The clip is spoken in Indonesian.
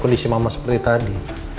polisi mama seperti tadi